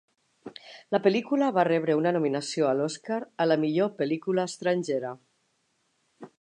La pel·lícula va rebre una nominació a l'Oscar a la millor pel·lícula estrangera.